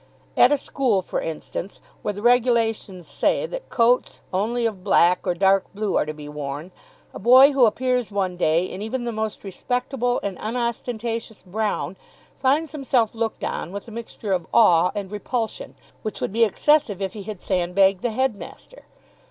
At a school, for instance, where the regulations say that coats only of black or dark blue are to be worn, a boy who appears one day in even the most respectable and unostentatious brown finds himself looked on with a mixture of awe and repulsion, which would be excessive if he had sand bagged the headmaster.